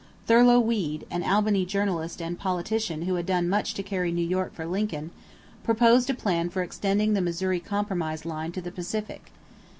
Thurlow Weed, an Albany journalist and politician who had done much to carry New York for Lincoln, proposed a plan for extending the Missouri Compromise line to the Pacific.